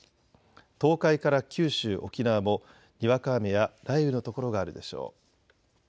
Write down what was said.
東海から九州、沖縄もにわか雨や雷雨の所があるでしょう。